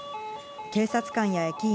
警察官や駅員